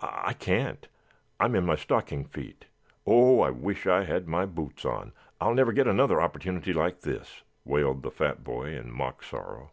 "I I can't. I'm in my stocking feet. Oh, I wish I had my boots on. I'll never get another opportunity like this," wailed the fat boy in mock sorrow.